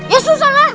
ya susah lah